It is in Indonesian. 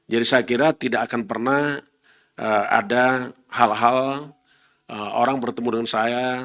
jadi saya kira tidak akan pernah ada hal hal orang bertemu dengan saya